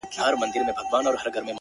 تا د ورځي زه د ځان كړمه جانـانـه.!